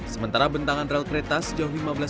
sementara bentangan rel kereta sejauh ini